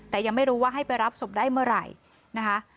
แต่ยังไม่รู้ว่าให้ไปรับศพได้เมื่อไหร่นะคะ